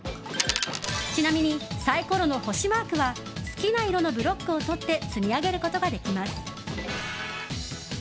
ちなみに、サイコロの星マークは好きな色のブロックを取って積み上げることができます。